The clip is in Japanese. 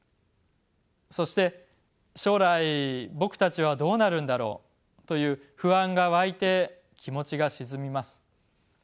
そして将来僕たちはどうなるんだろうという不安がわいて気持ちが沈みます。